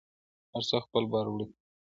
هر څوک خپل بار وړي تل,